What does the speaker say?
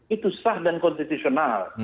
itu sah dan konstitusional